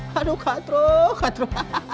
haduh kak tro kak tro